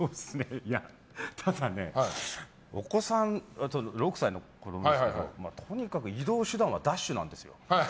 ただね６歳の子供なんですけどとにかく移動手段はダッシュなんですよ。